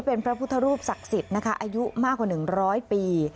เป็นพระพุทธรูปศักดิ์สิทธิ์นะคะอายุมากกว่า๑๐๐ปี